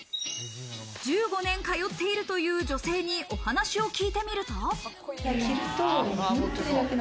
１５年通っているという女性にお話を聞いてみると。